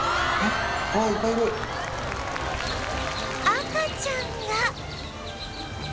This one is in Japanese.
赤ちゃんが！